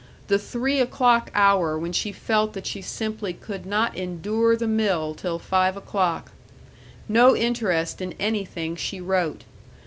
The three o'clock hour when she felt that she simply could not endure the mill till five o'clock. No interest in anything she wrote.